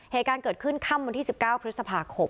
เหตุการณ์เกิดขึ้นเข้าขึ้นข้ามวันที่สิบเก้าปฏิสภาคม